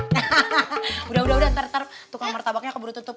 hahaha udah udah ntar ntar tukang martabaknya keburu tutup